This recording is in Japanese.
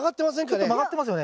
ちょっと曲がってますよね？